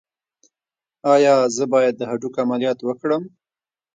ایا زه باید د هډوکو عملیات وکړم؟